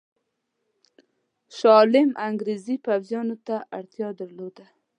شاه عالم انګرېزي پوځیانو ته اړتیا درلوده.